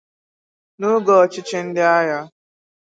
n'oge ọchịchị ndi agha.